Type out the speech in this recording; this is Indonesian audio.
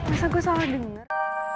masa gue salah denger